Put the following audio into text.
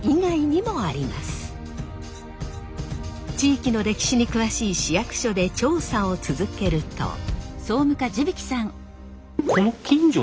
更に地域の歴史に詳しい市役所で調査を続けると。